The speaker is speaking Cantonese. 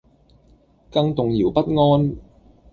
更動搖不安